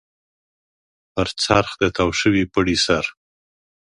پر څرخ د تاو شوي پړي سر.